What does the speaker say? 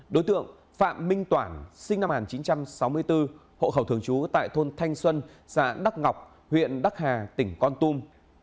đối tượng phạm minh toản sinh năm một nghìn chín trăm sáu mươi bốn hộ khẩu thường trú tại thôn thanh xuân xã đắc ngọc huyện đắc hà tỉnh con tum